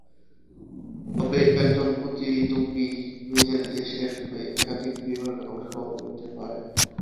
তবে, একজন প্রতিযোগী নিজের দেশের হয়ে একাধিক বিভাগে অংশ নিতে পারে।